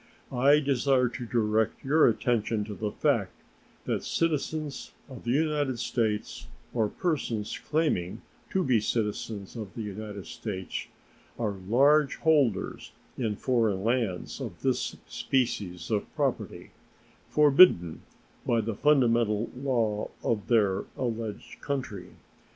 I desire to direct your attention to the fact that citizens of the United States, or persons claiming to be citizens of the United States, are large holders in foreign lands of this species of property, forbidden by the fundamental law of their alleged country.